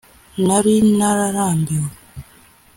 nari nararambiwe